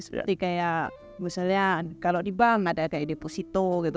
seperti kayak misalnya kalau di bank ada kayak deposito gitu